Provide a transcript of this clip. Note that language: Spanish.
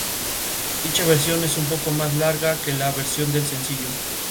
Dicha versión es un poco más larga que la versión del sencillo.